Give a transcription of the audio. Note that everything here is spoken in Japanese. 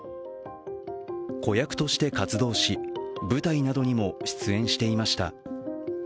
子役として活動し、舞台などにも出演していました。